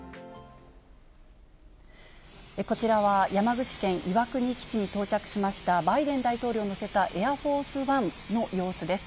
こちらは、山口県岩国基地に到着しました、バイデン大統領を乗せたエアフォースワンの様子です。